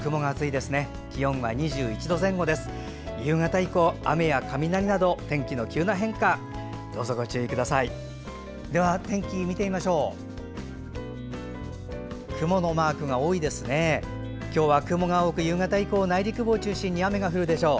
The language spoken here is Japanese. では、天気見てみましょう。